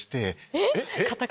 えっ⁉